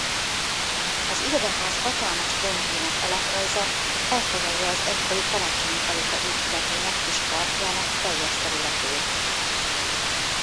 A irodaház hatalmas tömbjének alaprajza elfoglalja az egykori Karácsonyi-palota épületének és parkjának teljes területét.